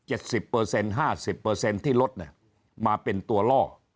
เอาราคา๗๐๕๐ที่ลดเนี่ยมาเป็นตัวล่อ